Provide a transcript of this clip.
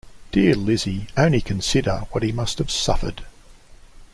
Dear Lizzy, only consider what he must have suffered.